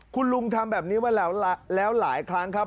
คุณลุงทำแบบนี้มาแล้วหลายครั้งครับ